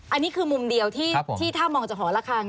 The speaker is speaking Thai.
อันนี้คือมุมเดียวที่ถ้ามองจากหอระคัง